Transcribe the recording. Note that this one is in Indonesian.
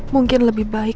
mungkin lebih baik